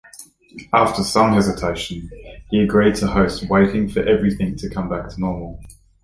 After some hesitation, he agreed to host waiting for everything to come back to normal.